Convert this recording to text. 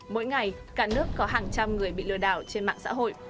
mỗi ngày cả nước có hàng trăm người bị lừa đảo trên mạng xã hội